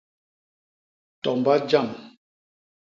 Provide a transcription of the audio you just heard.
Tomba jam.